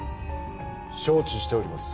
承知しております。